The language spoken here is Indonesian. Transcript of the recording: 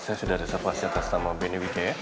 saya sudah reservasi atas nama bni wk